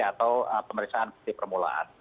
atau pemeriksaan di permulaan